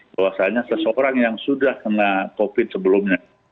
bahwasannya seseorang yang sudah kena covid sebelumnya